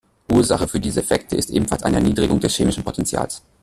Ursache für diese Effekte ist ebenfalls eine Erniedrigung des chemischen Potentials.